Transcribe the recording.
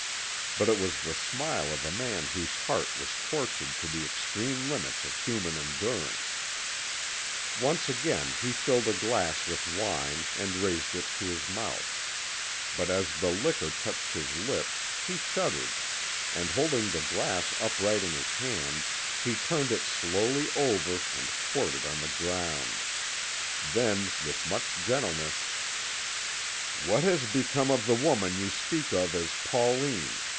But it was the smile of a man whose heart was tortured to the extreme limits of human endurance. Once again he filled a glass with wine, and raised it to his mouth, but as the liquor touched his lips, he shuddered, and holding the glass upright in his hand, he turned it slowly over and poured it on the ground; then, with much gentleness, he replaced the glass upon the table. "What has become of the woman you speak of as Pauline?"